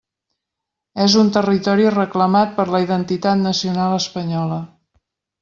És un territori «reclamat» per la identitat nacional espanyola.